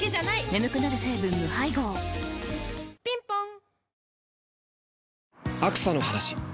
眠くなる成分無配合ぴんぽん